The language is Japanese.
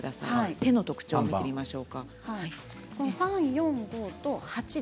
手の特徴を見てみましょう。